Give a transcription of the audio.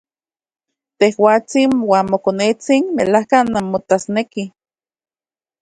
Tejuatsin uan mokonetsin melajka nanmotasnekij.